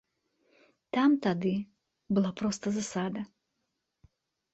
Там тады была проста засада.